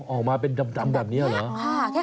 ออกมาเป็นดำแบบนี้เหรอ